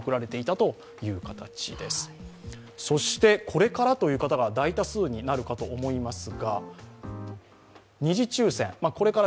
これからという方が大多数になるかと思います。